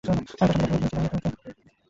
আমি তার সাথে দেখা করতে যাচ্ছি!